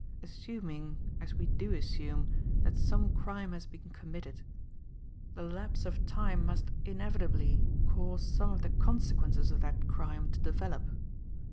Assuming, as we do assume, that some crime has been committed, the lapse of time must inevitably cause some of the consequences of that crime to develop.